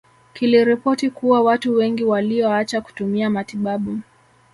Kiliripoti kuwa watu wengi walioacha kutumia matibabu